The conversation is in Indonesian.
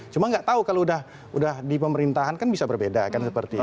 cuma nggak tahu kalau udah di pemerintahan kan bisa berbeda kan seperti itu